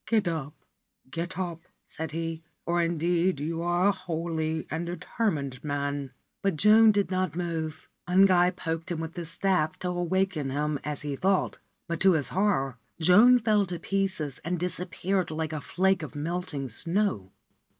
' Get up, get up/ said he, ' for indeed you are a holy and determined man/ But Joan did not move. Ungai poked him with his staff, to awaken him, as he thought ; but, to his horror, Joan fell to pieces, and disappeared like a flake of melting snow.